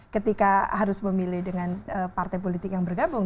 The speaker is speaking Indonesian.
ketika harus memilih dengan partai politik yang bergabung